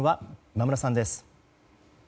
今村さんです。